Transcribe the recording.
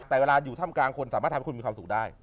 แต่เวลาอยู่ถ้ำกลางคนสามารถทำให้คุณมีความสุขได้